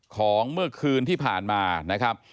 ของเมื่อคืนที่ผ่านมานะครับ